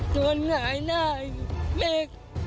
ด้วยหลายหน้ายูแม่